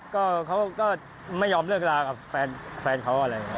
ก็เขาไม่ยอมเลือกลากับแฟนเค้า